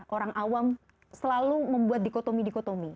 orang awam selalu membuat dikotomi dikotomi